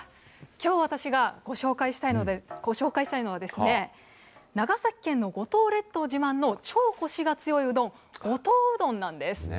きょう、私がご紹介したいのはですね、長崎県の五島列島自慢の超こしが強いうどん、五島うどんなんです。